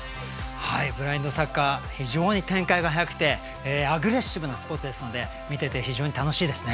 はいブラインドサッカー非常に展開が速くてアグレッシブなスポーツですので見てて非常に楽しいですね。